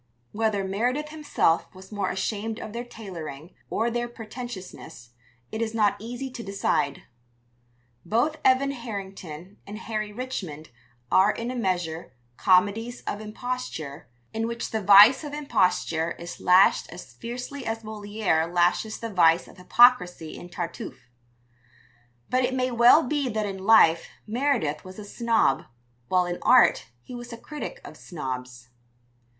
Whether Meredith himself was more ashamed of their tailoring or their pretentiousness it is not easy to decide. Both Evan Harrington and Harry Richmond are in a measure, comedies of imposture, in which the vice of imposture is lashed as fiercely as Molière lashes the vice of hypocrisy in Tartuffe. But it may well be that in life Meredith was a snob, while in art he was a critic of snobs.